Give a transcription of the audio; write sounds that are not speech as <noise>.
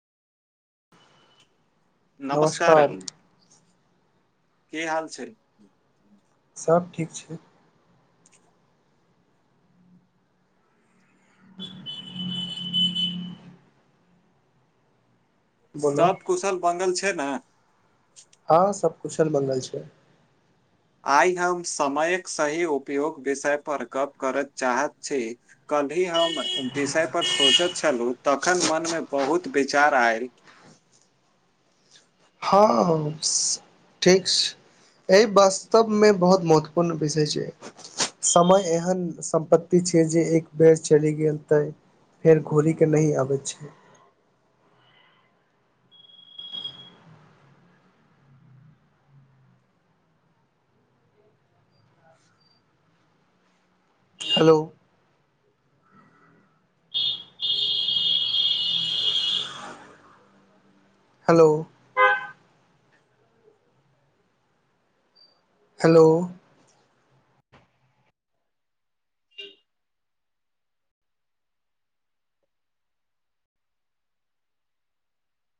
नमस्कार नमस्कारन। की हाल छै। सब ठीक छै। <inaudible> सब कुशल मंगल छै ने। हां सब कुशल मंगल छै। आइ हम समयक सही उपयोग विषय पर गप करय चाहैत छी कल्हि हम विषय पर सोचैत छलहुं तखन मनमे बहुत विचार आयल हां, ठीक छै। एहि वास्तवमे बहुत महत्वपूर्ण विषय छै। समय एहन सम्पत्ति छै जे एक बेर चलि गेल त फेर घुरि के नहि आबैत छै। हेलो। हेलो। हेलो।